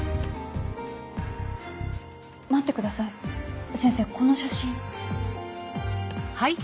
待ってください先生この写真。